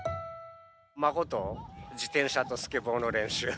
孫と自転車とスケボーの練習。